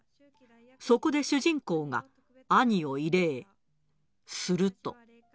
そこで主人公が兄を慰霊。